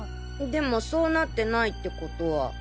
でもそうなってないってことは。